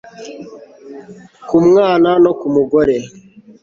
ku mwana no ku mugore